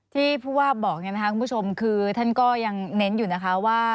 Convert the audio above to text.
ที่ผู้ว่าบอกคุณผู้ชมคือท่านก็ยังเน้นอยู่นะคะว่า